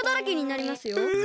え！